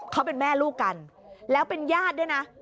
เขาเป็นแม่ลูกกันแล้วเป็นญาติด้วยนะ